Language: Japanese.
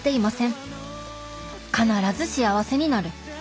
必ず幸せになる。